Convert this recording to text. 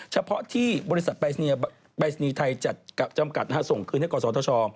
เฉพาะที่บริษัทปรายศนีย์ไทยจัดจำกัดส่งคืนให้กศธช